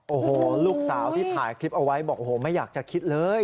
โอ้โหลูกสาวที่ถ่ายคลิปเอาไว้บอกโอ้โหไม่อยากจะคิดเลย